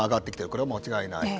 これは間違いないと。